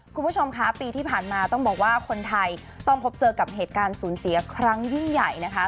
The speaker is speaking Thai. คุณผู้ชมคะปีที่ผ่านมาต้องบอกว่าคนไทยต้องพบเจอกับเหตุการณ์สูญเสียครั้งยิ่งใหญ่นะคะ